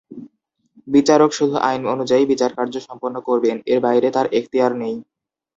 বিচারক শুধু আইন অনুযায়ী বিচারকার্য সম্পন্ন করবেন, এর বাইরে তার এখতিয়ার নেই।